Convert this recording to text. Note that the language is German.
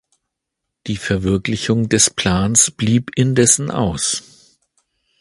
Die Verwirklichung des Plans blieb indessen aus.